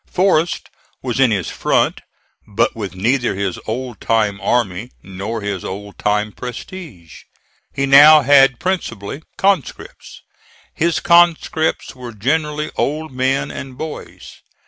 Forrest was in his front, but with neither his old time army nor his old time prestige. He now had principally conscripts. His conscripts were generally old men and boys.